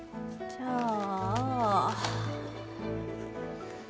じゃあ。